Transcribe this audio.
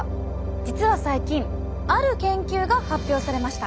実は最近ある研究が発表されました。